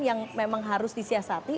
yang memang harus disiasati